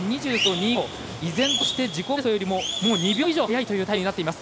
依然として自己ベストよりも２秒以上早いというタイムになっています。